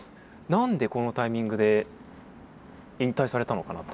何でこのタイミングで引退されたのかなと。